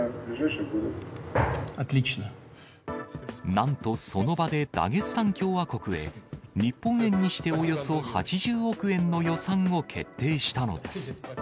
なんと、その場で、ダゲスタン共和国へ、日本円にしておよそ８０億円の予算を決定したのです。